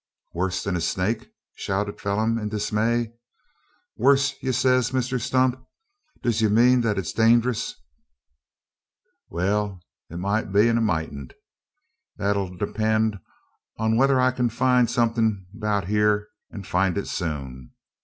"Worse than a snake?" shouted Phelim in dismay. "Worse, yez say, Misther Stump? Div yez mane that it's dangerous?" "Wal, it mout be, an it moutn't. Thet ere 'll depend on whether I kin find somethin' 'bout hyur, an find it soon.